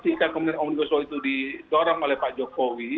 sehingga ketika kemudian om niko soe itu didorong oleh pak jokowi